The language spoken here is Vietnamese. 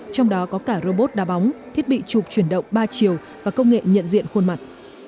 trong đó có cả robot đa bóng thiết bị chụp chuyển động ba chiều và công nghệ nhận diện khuôn mặt